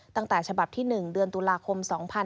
ตั้งแต่ฉบับที่๑เดือนตุลาคม๒๕๕๙